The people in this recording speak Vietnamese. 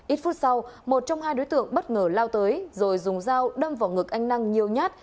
ít phút sau một trong hai đối tượng bất ngờ lao tới rồi dùng dao đâm vào ngực anh năng nhiều nhát